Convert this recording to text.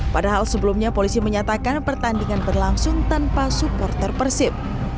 padahal sebelumnya polisi menyatakan pertandingan berlangsung tanpa supporter persib